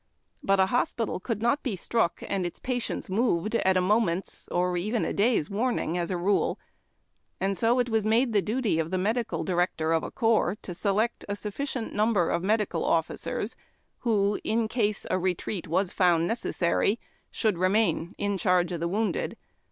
But a hospital could not be struck and its patients moved at a HOSPITALS ANB AMBULANCES. 307 moment's or even a clay's warning, as a rule, and so it was made the duty of the medical director of a corps to select a sufficient number of medical officevs, wlio, in case a retreat was found necessary, should remain in charge of the wounded.